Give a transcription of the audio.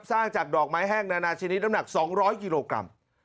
จากดอกไม้แห้งนานาชนิดน้ำหนัก๒๐๐กิโลกรัม